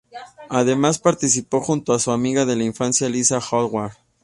Además, participó junto a su amiga de la infancia Lisa Howard.